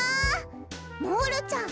モールちゃん